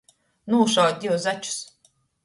Nūšaut div začus.